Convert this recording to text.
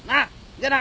じゃな。